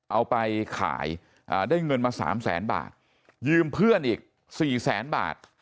เอาไปขายได้เงินมา๓แสนบาทยืมเพื่อนอีก๔แสนบาท